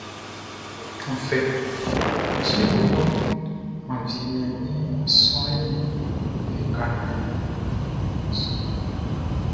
N fɛ, mi fieʼn bɔbɔʼn, mʼan wiemɛn i sɔʼn i lika nianlɛ.